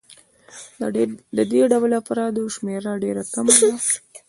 د دې ډول افرادو شمېره ډېره کمه ده